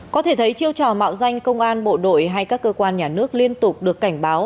có thể thấy chiêu trò mạo danh công an bộ đội hay các cơ quan nhà nước liên tục được cảnh báo